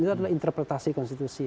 itu adalah interpretasi konstitusi